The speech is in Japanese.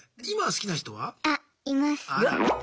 今好きな人は？